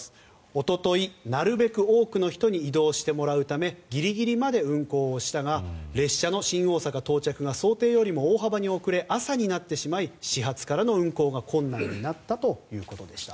おととい、なるべく多くの人に移動してもらうためギリギリまで運行をしたが列車の新大阪到着が想定よりも大幅に遅れ朝になってしまい始発からの運行が困難になったということでした。